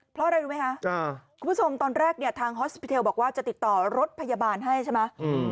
เพราะอะไรรู้ไหมคะคุณผู้ชมตอนแรกเนี่ยทางฮอสปิเทลบอกว่าจะติดต่อรถพยาบาลให้ใช่ไหม